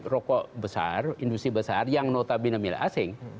rokok besar industri besar yang notabene milik asing